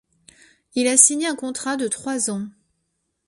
Il a signé un contrat de trois ans.